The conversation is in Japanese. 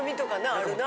あるな。